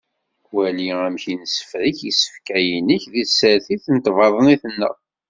Wali amek ad nessefrek isefka yinek di tsertit n tbaḍnit-nneɣ.